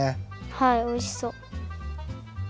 はいおいしそう。